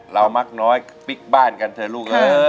มักน้อยปิ๊กบ้านกันเถอะลูก